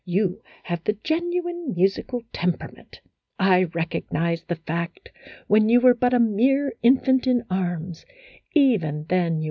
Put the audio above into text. You have the genuine musical temperament. I recognized the fact when you were but a mere infant in arms ; even then you A HYPOCRITICAL ROMANCE.